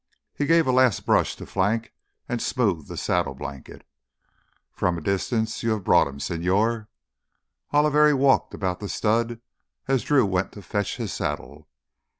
He gave a last brush to flank and smoothed the saddle blanket. "From a distance you have brought him, señor?" Oliveri walked about the stud as Drew went to fetch his saddle.